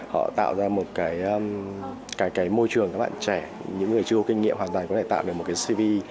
họ tạo ra một cái môi trường các bạn trẻ những người chưa có kinh nghiệm hoàn toàn có thể tạo được một cái cv